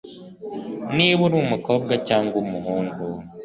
niba uri umukobwa cyangwa umuhungu